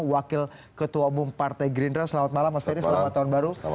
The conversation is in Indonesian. wakil ketua umum partai gerindra selamat malam mas ferry selamat tahun baru